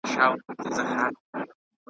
د سپینو ژړو او د سرو ګلونو .